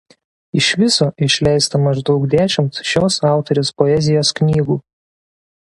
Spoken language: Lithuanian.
Iš viso išleista maždaug dešimt šios autorės poezijos knygų.